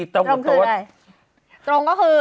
ตรงก็คือ